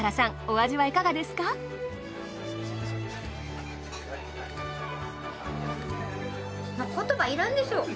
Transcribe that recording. もう言葉いらんでしょ。